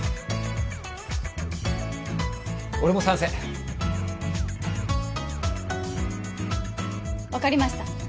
俺も賛成分かりました